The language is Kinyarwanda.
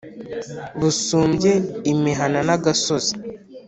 busumbye imihana na gasozi.